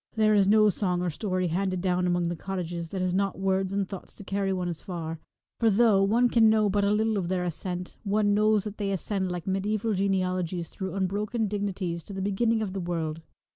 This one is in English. There is no song or story handed down among the cottages that has not words and thoughts to carry one as far, for though one can know but a little of their ascent, one knows that they ascend like medieval genealogies through unbroken dignities to the beginning of the world.